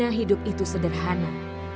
bagi hana hidup itu sederhana